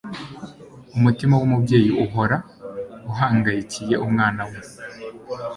Umutima w'umubyeyi uhora uhangayikiye umwana we.